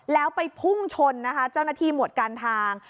แล้วไปพุ่งชนนะคะเจ้าหน้าที่หมวดการทาง